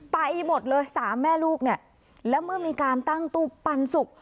ไปหมดเลยสามแม่ลูกเนี่ยแล้วเมื่อมีการตั้งตู้ปันสุก